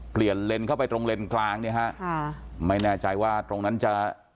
เปลี่ยนเลนเข้าไปตรงเลนกลางนะครับไม่แน่ใจว่าตรงนั้นจะ